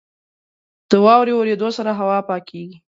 • د واورې اورېدو سره هوا پاکېږي.